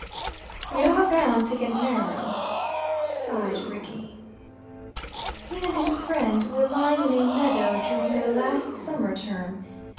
"We are bound to get narrow," sighed Rickie. He and his friend were lying in a meadow during their last summer term.